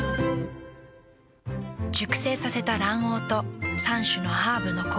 熟成させた卵黄と３種のハーブのコクとうま味。